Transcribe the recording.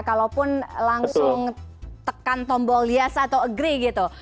kalaupun langsung tekan tombol hias atau agree gitu